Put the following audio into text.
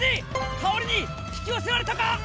香りに引き寄せられたか？